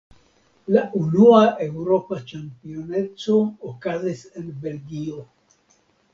La unua Eŭropa Ĉampioneco okazis en Belgio.